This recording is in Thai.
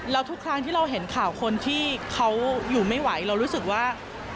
แล้วทุกครั้งที่เราเห็นข่าวคนที่เขาอยู่ไม่ไหวเรารู้สึกว่า